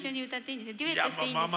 デュエットしていいですか？